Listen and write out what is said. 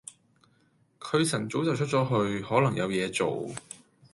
佢晨早就出咗去，可能有嘢做